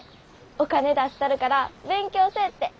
お金出したるから勉強せえって。